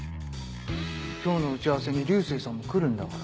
今日の打ち合わせに流星さんも来るんだから。